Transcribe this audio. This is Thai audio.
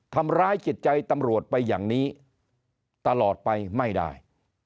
ทำร้ายจิตใจตำรวจไปอย่างนี้ตลอดไปไม่ได้